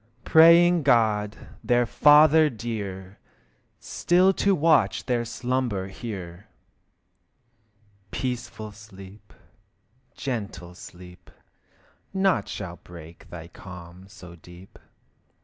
Praying God, their Father dear, Still to watch their slumber here. Peaceful sleep, gentle sleep, Naught shall break thy calm so deep.